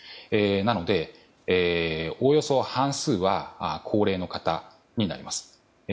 なので、おおよそ半数は高齢の方になります。